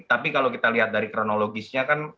tapi kalau kita lihat dari kronologisnya kan